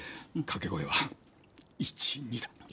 掛け声は１・２だ。